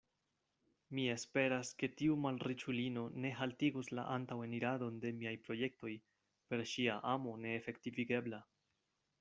Mi esperas, ke tiu malriĉulino ne haltigos la antaŭeniradon de miaj projektoj per ŝia amo neefektivigebla.